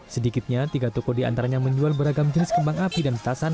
sedikitnya tiga toko diantaranya menjual beragam jenis kembang api dan petasan